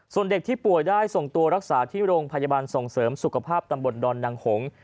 ส่วนเด็กที่ป่วยได้ส่งตัวรักษาที่โรงพยาบาลส่งเสริมสุขภาพตำบลดอนนางหง